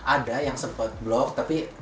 ada yang sempat block tapi